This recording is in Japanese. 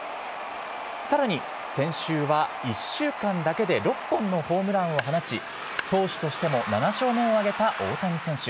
さらに、先週は１週間だけで６本のホームランを放ち、投手としても７勝目を挙げた大谷選手。